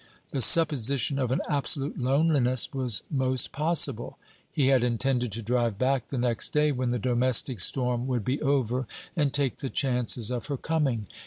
The supposition of an absolute loneliness was most possible. He had intended to drive back the next day, when the domestic storm would be over, and take the chances of her coming.